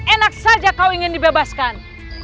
enak saja kau ingin dibebaskan